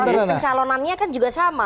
proses pencalonannya kan juga sama